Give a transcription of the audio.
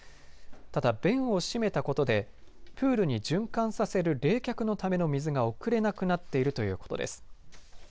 ただ弁を閉めたことでプールに循環させる冷却のための水が送れなくなっているということです。